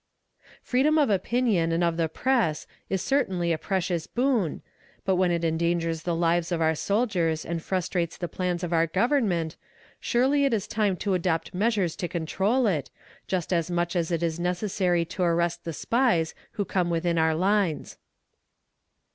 Freedom of opinion and of the press is certainly a precious boon, but when it endangers the lives of our soldiers and frustrates the plans of our Government, surely it is time to adopt measures to control it, just as much as it is necessary to arrest the spies who come within our lines.